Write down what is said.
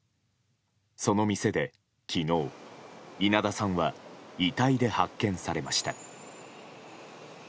その店で昨日、稲田さんは遺体で発見されました。